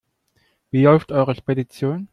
Wie läuft eure Spedition?